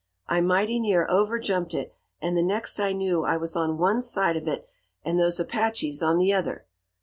I mighty near overjumped it; and the next I knew I was on one side of it and those Apaches on the other.